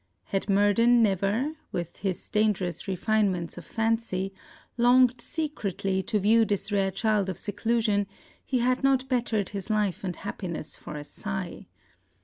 Had Murden never (with his dangerous refinements of fancy) longed secretly to view this rare child of seclusion, he had not battered his life and happiness for a sigh.